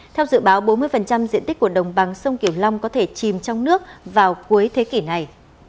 theo dự báo bốn mươi diện tích của đồng bằng sông kiểu long có thể chìm trong nước vào cuối thế kỷ này